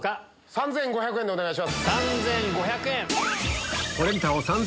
３５００円でお願いします。